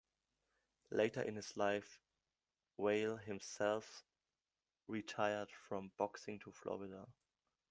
Later in his life, Weill himself retired from boxing to Florida.